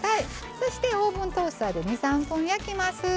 そして、オーブントースターで２３分焼きます。